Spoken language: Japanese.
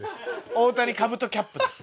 大谷カブトキャップです。